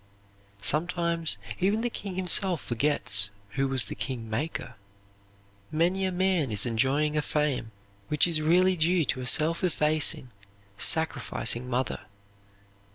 Sometimes even the king himself forgets who was the kingmaker." Many a man is enjoying a fame which is really due to a self effacing, sacrificing mother.